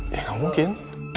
ya gak mungkin